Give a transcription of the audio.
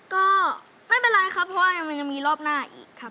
ก็ไม่เป็นไรครับเพราะว่ามันยังมีรอบหน้าอีกครับ